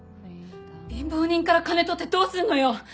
貧乏人から金取ってどうすんのよ！